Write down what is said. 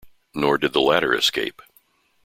Nor did the latter escape.